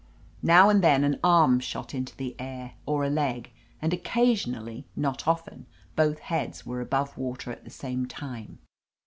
Now and then an arm shot into the air, or a leg, and oc casionally, not often, both heads were above water at the same time.